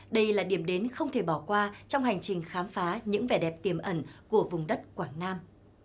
đây là điểm đến không thể bỏ qua trong hành trình khám phá những vẻ đẹp tiềm ẩn của vùng đất quảng nam